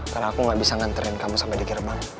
karena aku gak bisa nganterin kamu sampe di kerebang